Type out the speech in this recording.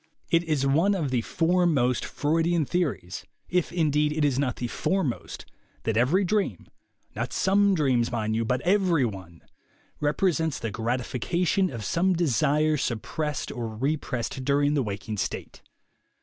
It is one of the foremost Freudian theories — if, indeed, it is not the foremost — that every dream (not some dreams, mind you, but every one!) rep resents the gratification of some desire suppressed or repressed during the waking state.